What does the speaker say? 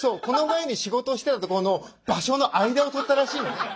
この前に仕事してたとこの場所の間を取ったらしいのね。